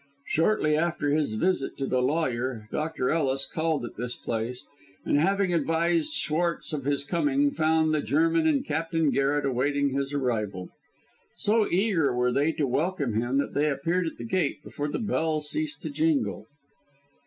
Shortly after his visit to the lawyer, Dr. Ellis called at this place, and having advised Schwartz of his coming, found the German and Captain Garret awaiting his arrival. So eager were they to welcome him that they appeared at the gate before the bell ceased to jingle.